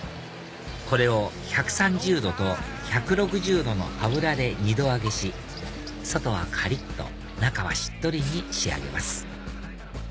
これを１３０℃と１６０℃の油で２度揚げし外はカリっと中はしっとりに仕上げます